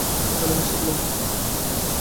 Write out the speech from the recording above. Hello, Mr Bloom.